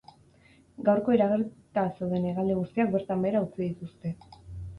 Gaurko iragarrita zeuden hegaldi guztiak bertan behera utzi dituzte.